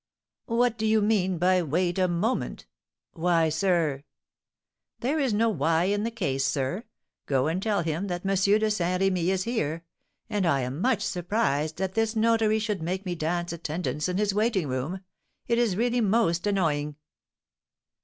"What do you mean by wait a moment?" "Why, sir " "There is no why in the case, sir. Go and tell him that M. de Saint Remy is here; and I am much surprised that this notary should make me dance attendance in his waiting room. It is really most annoying."